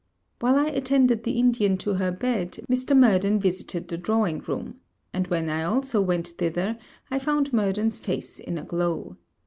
While I attended the Indian to her bed, Mr. Murden visited the drawing room and when I also went thither, I found Murden's face in a glow.